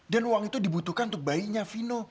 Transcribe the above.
uang itu dibutuhkan untuk bayinya vino